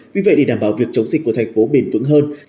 vì vậy để đảm bảo việc chống dịch của thành phố bền vững hơn